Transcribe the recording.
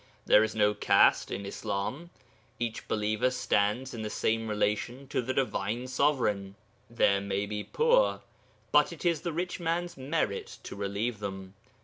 There is no caste in Islam; each believer stands in the same relation to the Divine Sovereign. There may be poor, but it is the rich man's merit to relieve them.